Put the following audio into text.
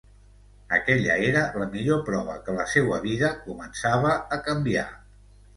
Aquella era la millor prova que la seua vida començava a canviar.